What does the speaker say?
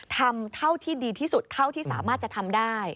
ทำเท่าที่ดีที่สุดเท่าที่สามารถจะทำได้